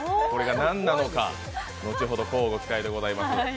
これが何なのか、後ほど、こうご期待でございます。